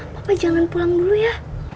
bapak jangan pulang dulu ya